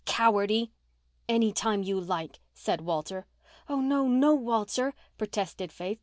"Cowardy!" "Any time you like," said Walter. "Oh, no, no, Walter," protested Faith.